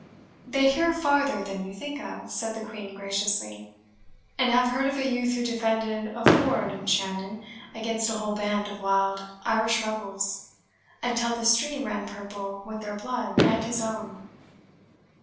"They hear farther than you think of," said the Queen graciously, "and have heard of a youth who defended a ford in Shannon against a whole band of wild Irish rebels, until the stream ran purple with their blood and his own."